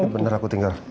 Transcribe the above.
bener aku tinggal